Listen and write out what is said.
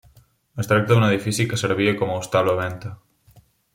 Es tracta d'un edifici que servia com a hostal o venta.